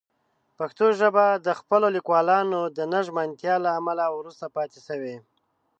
پښتو ژبه د خپلو لیکوالانو د نه ژمنتیا له امله وروسته پاتې شوې.